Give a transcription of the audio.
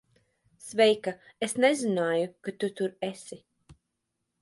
Sveika. Es nezināju, ka tu tur esi.